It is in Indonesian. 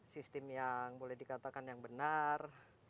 sistem yang boleh dikatakan yang benar